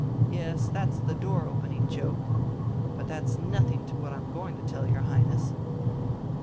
Yes, that's the door opening joke! But that's nothing to what I'm going to tell your Highness...."